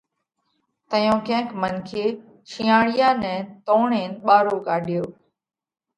تئيون ڪينڪ منکي شِينئاۯيا نئہ توڻينَ ٻارو ڪاڍيو